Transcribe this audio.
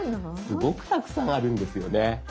すごくたくさんあるんですよね。